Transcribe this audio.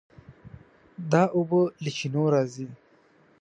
دا اوبه له چینو راځي.